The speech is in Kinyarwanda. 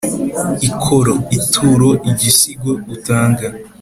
ikoro: ituro igisigo utanga